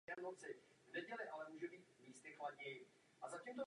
Byl funkcionářem Sokola.